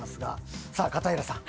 片平さん。